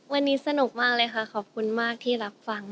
วันนี้สนุกมากเลยค่ะขอบคุณมากที่รับฟัง